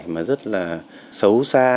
mà rất là xấu xa